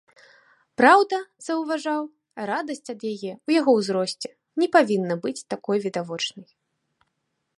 Праўда, заўважаў, радасць ад яе ў яго ўзросце не павінна быць такой відавочнай.